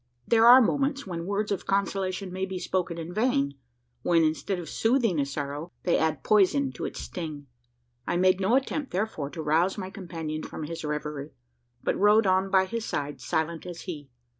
There are moments when words of consolation may be spoken in vain when, instead of soothing a sorrow, they add poison to its sting. I made no attempt, therefore, to rouse my companion from his reverie; but rode on by his side, silent as he.